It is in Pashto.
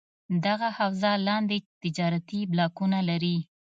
دغه حوزه لاندې تجارتي بلاکونه لري: